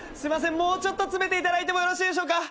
もうちょっと詰めていただいてもよろしいでしょうか。